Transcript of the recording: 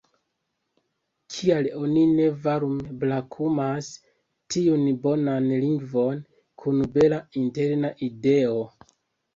Kial oni ne varme brakumas tiun bonan lingvon kun bela interna ideo?